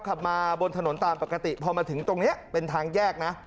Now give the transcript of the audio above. ขับมาบนถนนตามปกติพอมาถึงตรงนี้เป็นทางแยกนะ